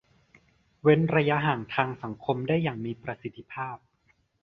เว้นระยะห่างทางสังคมได้อย่างมีประสิทธิภาพ